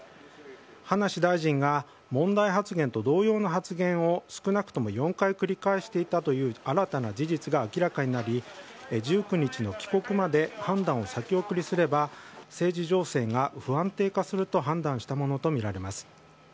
葉梨大臣が問題発言と同様の発言を少なくとも４回繰り返していたという新たな事実が明らかになり、１９日の帰国まで判断を先送りすれば政治情勢が不安定化すると判断したものとみられます。